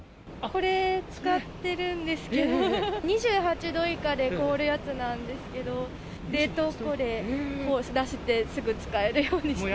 これ、使ってるんですけど、２８度以下で凍るやつなんですけど、冷凍庫で出して、すぐ使えるようにして。